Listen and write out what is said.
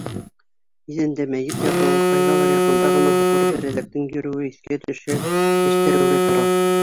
Иҙәндә мәйет ятыуы, ҡайҙалыр яҡында ғына һуҡыр берәҙәктең йөрөүе иҫкә төшһә, сәстәр үрә тора.